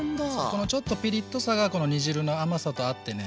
このちょっとピリッとさがこの煮汁の甘さと合ってね